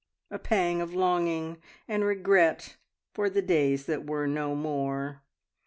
a pang of longing and regret for the days that were no more.